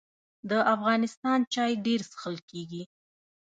د افغانستان چای ډیر څښل کیږي